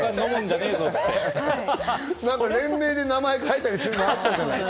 連名で名前書いたりするのあったじゃない？